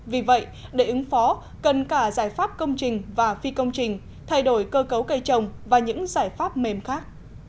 vì vậy để ứng phó cần cả giải pháp công trình và phi công trình thay đổi cơ cấu cây trồng và những giải pháp mềm khác